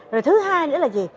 rồi thứ hai nữa là gì